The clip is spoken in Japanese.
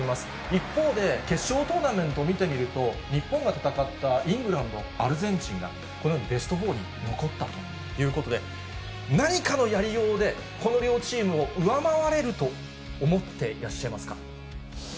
一方で、決勝トーナメント見てみると、日本が戦ったイングランド、アルゼンチンが、このベスト４に残ったということで、何かのやりようで、この両チームを上回れると思ってらっしゃいますか？